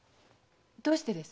どうしてです？